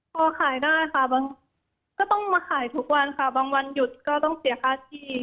พอขายได้ค่ะบางก็ต้องมาขายทุกวันค่ะบางวันหยุดก็ต้องเสียค่าที่